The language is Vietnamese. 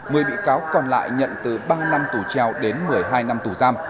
mười bị cáo còn lại nhận từ ba năm tù treo đến một mươi hai năm tù giam